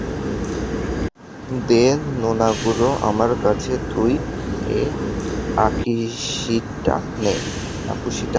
দে নোনাগুলো আমার কাছে, তুই আঁকুশিটা নে।